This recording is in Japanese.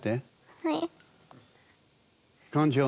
はい。